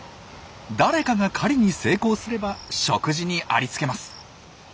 誰かが狩りに成功すれば食事にありつけます。